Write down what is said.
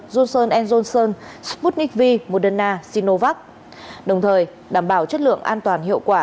johnson johnson sputnik v moderna sinovac đồng thời đảm bảo chất lượng an toàn hiệu quả